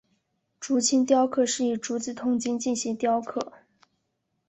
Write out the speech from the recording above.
竹青雕刻是以竹子筒茎进行雕刻。